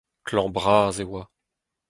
Klañv-bras e oa.